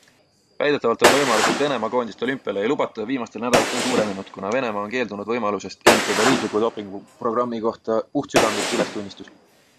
Väidetavalt on võimalus, et Venemaa koondist olümpiale ei lubata, viimastel nädalatel suurenenud, kuna Venemaa on keeldunud võimalusest esitada riikliku dopinguprogrammi kohta puhtsüdamlik ülestunnistus.